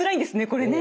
これね。